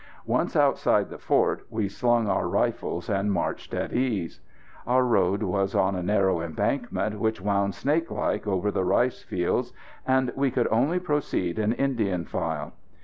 Once outside the fort we slung our rifles and marched at ease. Our road was on a narrow embankment which wound snake like over the rice fields, and we could only proceed in Indian file.